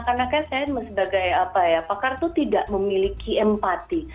karena saya sebagai pakar itu tidak memiliki empati